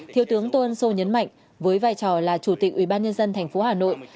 thiếu tướng tôn sô nhấn mạnh với vai trò là chủ tịch ubnd tp hà nội